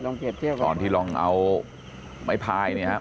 นี่ตอนที่ลองเอาไม้พายเนี่ยฮะ